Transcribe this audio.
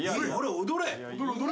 踊れ。